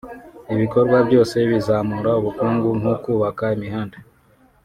Ibikorwa byose bizamura ubukungu nko kubaka imihanda